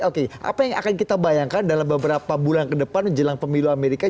oke apa yang akan kita bayangkan dalam beberapa bulan ke depan jelang pemilu amerika